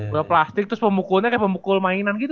udah plastik terus pemukulnya kayak pemukul mainan gitu